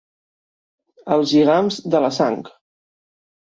Els lligams de la sang.